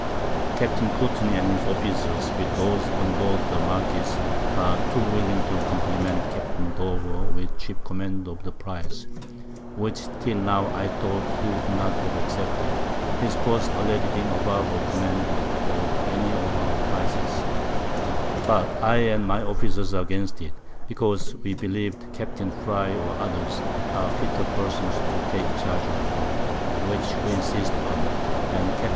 Capt. Courtney and his Officers, with those on board the Marquiss, are too willing to complement Capt. Dover with the chief Command of the Prize; which till now I thought he would not have accepted, his Posts already being above a Commander of any of our Prizes; but I and my Officers are against it; because we believe Capt. Frye or others, are fitter Persons to take Charge of her, which we insisted on; and Capts.